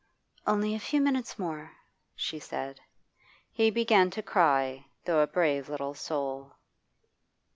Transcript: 'Only a few minutes more,' she said. He began to cry, though a brave little soul....